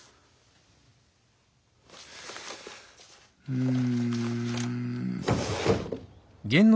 うん。